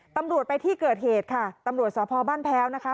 ตำรวจไปที่เกิดเหตุค่ะตำรวจสพบ้านแพ้วนะคะ